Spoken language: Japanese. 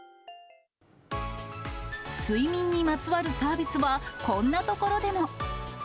睡眠にまつわるサービスは、こんな所でも。